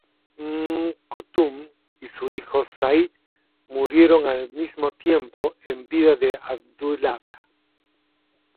Umm Kulthum y su hijo Zayd murieron al mismo tiempo, en vida de Abdullah.